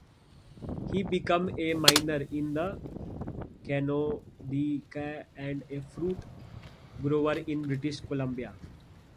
He became a miner in the Klondike and a fruit grower in British Columbia.